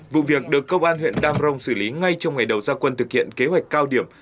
vụ việc được công an huyện đam rông xử lý ngay trong ngày đầu gia quân thực hiện kế hoạch cao điểm